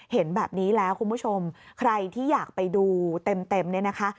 เห็นแบบนี้แล้วคุณผู้ชมใครที่อยากไปดูเต็มเนี่ยนะคะ